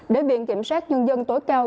để viện kiểm sát nhân dân tối cao